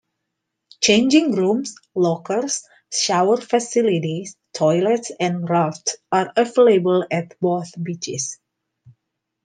Changing rooms, lockers, shower facilities, toilets and rafts are available at both beaches.